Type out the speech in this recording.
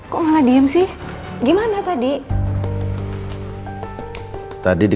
kok malah diem sih gimana tadi